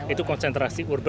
itu konsentrasi urut urutnya